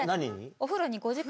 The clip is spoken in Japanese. お風呂５時間？